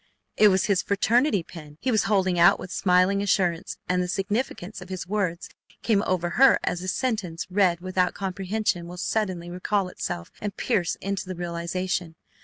It was his fraternity pin he was holding out with smiling assurance and the significance of his words came over her as a sentence read without comprehension will suddenly recall itself and pierce into the realization.